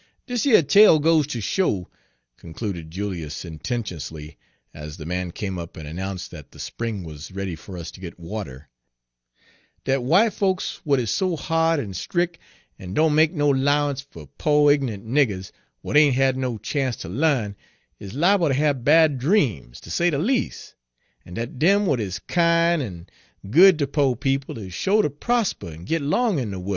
"Dis yer tale goes ter show," concluded Julius sententiously, as the man came up and announced that the spring was ready for us to get water, "dat w'ite folks w'at is so ha'd en stric', en doan make no 'lowance fer po' ign'ant niggers w'at ain' had no chanst ter l'arn, is li'ble ter hab bad dreams, ter say de leas', en dat dem w'at is kin' en good ter po' people is sho' ter prosper en git long in de worl'."